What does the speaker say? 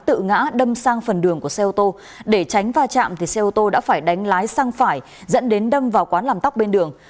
tự ngã đâm sang phần đường của xe ô tô để tránh va chạm xe ô tô đã phải đánh lái sang phải dẫn đến đâm vào quán làm tóc bên đường